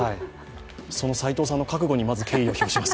その斎藤さんの覚悟に、まず敬意を表します。